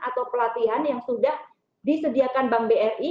atau pelatihan yang sudah disediakan bank bri